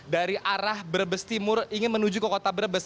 dari arah brebes timur ingin menuju ke kota brebes